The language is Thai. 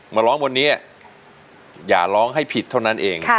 มาร้องวันนี้อย่าร้องให้ผิดเท่านั้นเอง